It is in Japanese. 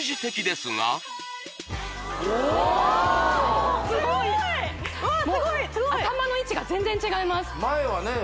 すごい頭の位置が全然違います前はね